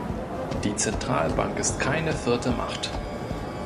Die Zentralbank ist keine vierte Macht.